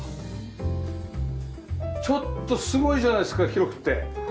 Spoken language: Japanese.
ちょっとすごいじゃないですか広くって。